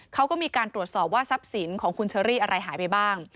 เขาก็มีการตรวจสอบว่าทรัพย์สินของคุณเชอรี่อะไรหายไปบ้าง